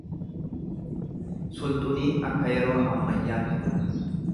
Sulxuniin akka yeroo ammayyaatti bula.